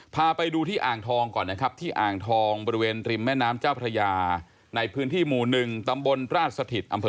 สถิตย์อำเภอชายโยนี้ครับ